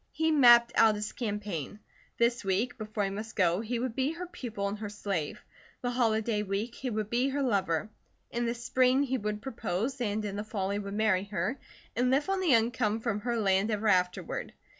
He mapped out his campaign. This week, before he must go, he would be her pupil and her slave. The holiday week he would be her lover. In the spring he would propose, and in the fall he would marry her, and live on the income from her land ever afterward.